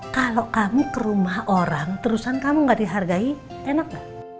kalau kamu ke rumah orang terusan kamu gak dihargai enak gak